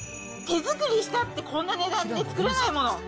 手作りしたって、こんな値段で作れないもの。